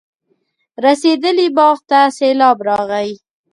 رسېدلي باغ ته سېلاب راغی.